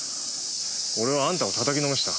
俺はあんたを叩きのめした。